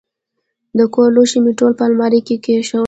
د کور لوښي مې ټول په المارۍ کې کښېنول.